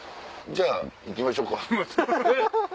じゃあ行きましょうか。